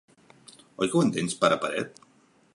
Oi que ho entens, pare paret?